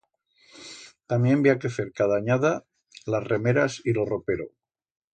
También bi ha que fer cada anyada las remeras y lo ropero.